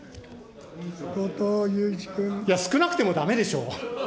少なくてもだめでしょう。